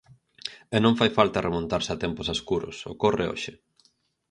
E non fai falta remontarse a tempos escuros, ocorre hoxe.